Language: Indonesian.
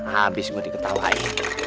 abis gue diketawai